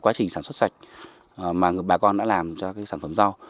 quá trình sản xuất sạch mà bà con đã làm cho cái sản phẩm rau